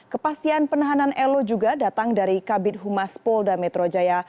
kepastian penahanan elo juga datang dari kabin humas polda metro jaya